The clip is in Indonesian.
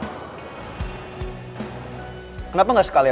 lo misschien udah gede ada yang kan lo wedding